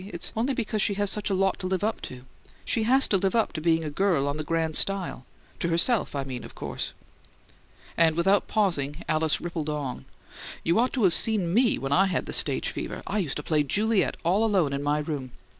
It's only because she has such a lot to live up to. She has to live up to being a girl on the grand style to herself, I mean, of course." And without pausing Alice rippled on, "You ought to have seen ME when I had the stage fever! I used to play 'Juliet' all alone in my room.'